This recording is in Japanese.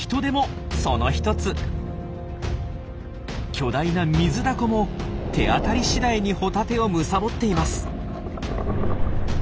巨大なミズダコも手当たり次第にホタテをむさぼっています。